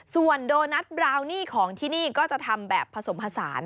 ส่วนโดนัทบราวนี่ของที่นี่ก็จะทำแบบผสมผสาน